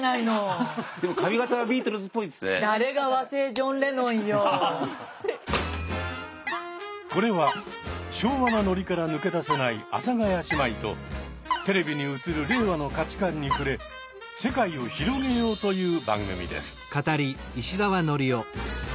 ちょっとこれは昭和なノリから抜け出せない阿佐ヶ谷姉妹とテレビに映る令和の価値観に触れ世界を広げよう！という番組です。